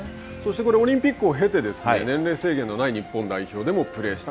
これオリンピックを経て年齢制限のない日本代表でもプレーした。